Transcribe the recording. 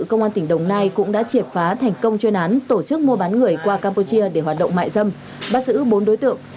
công an tỉnh đồng nai cũng đã triệt phá thành công chuyên án tổ chức mua bán người qua campuchia để hoạt động mại dâm bắt giữ bốn đối tượng